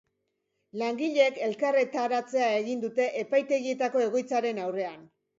Langileek elkarretaratzea egin dute epaitegietako egoitzaren aurrean.